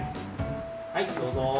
はい、どうぞ。